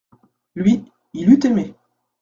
Lui, il eut aimé.